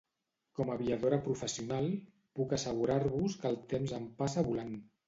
Com a aviadora professional, puc assegurar-vos que el temps em passa volant.